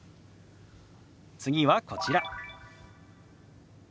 次はこちら。